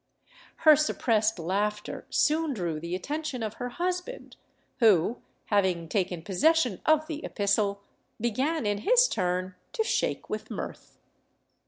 Her suppressed laughter soon drew the attention of her husband, who, having taken possession of the epistle, began in his turn to shake with mirth.